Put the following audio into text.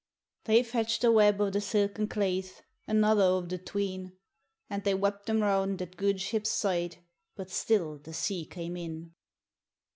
They fetch'd a web o' the silken claith, Another o' the twine, And they wapped them round that gude ship's side, But still the sea came in.